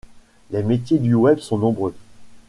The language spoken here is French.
Les métiers du web sont nombreux.